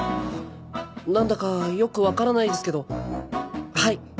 なんだかよくわからないですけどはい。